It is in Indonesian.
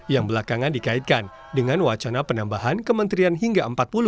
yang belakangan dikaitkan dengan wacana penambahan kementerian hingga empat puluh